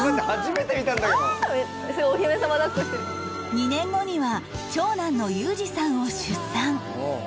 ２年後には長男の裕司さんを出産